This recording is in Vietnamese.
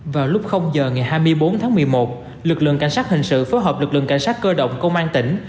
vào lúc giờ ngày hai mươi bốn tháng một mươi một lực lượng cảnh sát hình sự phối hợp lực lượng cảnh sát cơ động công an tỉnh